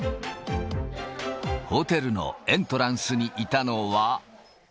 ホテルのエントランスにいたのは。